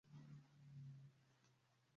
nsigarana na mama murugo twembi gusa.